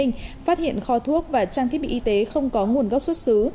phát hiện kho thuốc và trang thiết bị y tế không có nguồn gốc xuất xứ